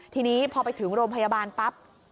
ทีนี้พอไปถึงโรงพยาบาลปั๊บ